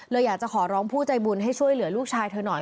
อยากจะขอร้องผู้ใจบุญให้ช่วยเหลือลูกชายเธอหน่อย